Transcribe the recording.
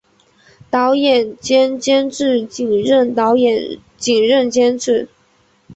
导演兼监制仅任导演仅任监制